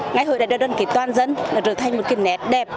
ngày hội đại đoàn kết toàn dân trở thành một kiểm nét đẹp